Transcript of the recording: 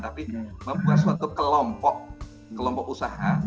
tapi membuat suatu kelompok kelompok usaha